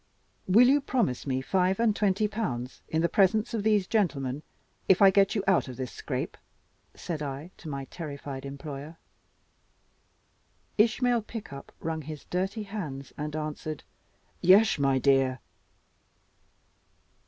"Will you promise me five and twenty pounds in the presence of these gentlemen if I get you out of this scrape?" said I to my terrified employer. Ishmael Pickup wrung his dirty hands and answered, "Yesh, my dear!"